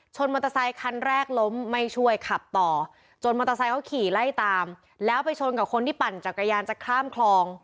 มอเตอร์ไซคันแรกล้มไม่ช่วยขับต่อจนมอเตอร์ไซค์เขาขี่ไล่ตามแล้วไปชนกับคนที่ปั่นจักรยานจะข้ามคลอง